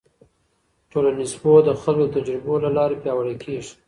ټولنیز پوهه د خلکو د تجربو له لارې پیاوړې کېږي.